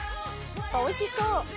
おいしそう。